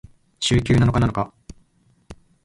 週休七日なのか？